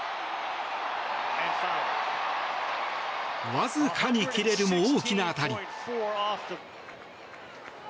わずかに切れるも大きな当たり。